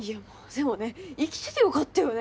でもね生きててよかったよね。